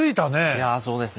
いやそうですね。